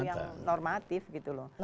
yang normatif gitu loh